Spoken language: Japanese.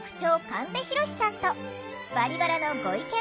神戸浩さんと「バリバラ」のご意見